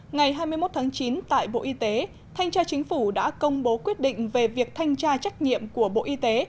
ngày hai mươi một tháng chín tại bộ y tế thanh tra chính phủ đã công bố quyết định về việc thanh tra trách nhiệm của bộ y tế